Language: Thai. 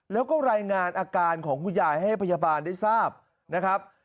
แล้วก็รายงานอาการของคุณยายให้พยาบาลได้ทราบนะครับ